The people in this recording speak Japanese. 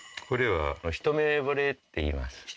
これはひとめぼれっていいます